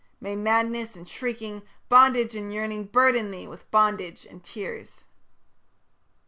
May madness and shrieking, bondage and yearning Burden thee with bondage and tears.